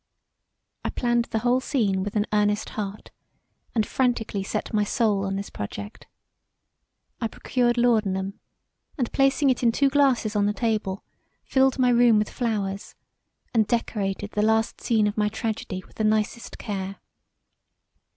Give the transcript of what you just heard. I planned the whole scene with an earnest heart and franticly set my soul on this project. I procured Laudanum and placing it in two glasses on the table, filled my room with flowers and decorated the last scene of my tragedy with the nicest care.